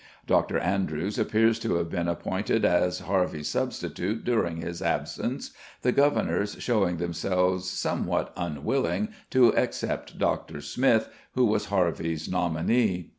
Dr. Andrewes appears to have been appointed as Harvey's substitute during his absence, the governors showing themselves somewhat unwilling to accept Dr. Smith, who was Harvey's nominee.